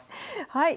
はい。